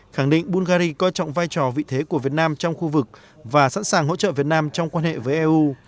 khẳng định bungary coi trọng vai trò vị thế của việt nam trong khu vực và sẵn sàng hỗ trợ việt nam trong quan hệ với eu